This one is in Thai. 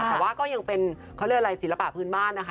แต่ว่าก็ยังเป็นเขาเรียกอะไรศิลปะพื้นบ้านนะคะ